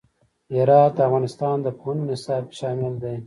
هرات د افغانستان د پوهنې نصاب کې شامل دی.